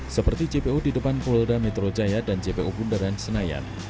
seperti jpo di depan polda metro jaya dan jpo bundaran senayan